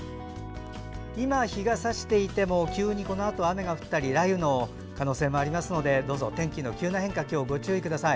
今、日がさしていてもこのあと急にこのあと雨が降ったり雷雨の可能性がありますのでどうぞ天気の急な変化にご注意ください。